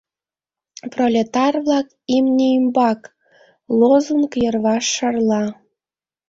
«Пролетар-влак, имне ӱмбак!» лозунг йырваш шарла.